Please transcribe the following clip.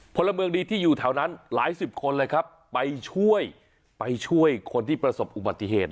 พลเมืองดีที่อยู่แถวนั้นหลายสิบคนเลยครับไปช่วยไปช่วยคนที่ประสบอุบัติเหตุ